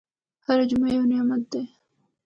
هره جمعه یو نعمت ده.